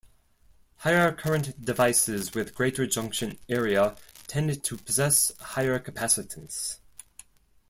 Higher-current devices with greater junction area tend to possess higher capacitance.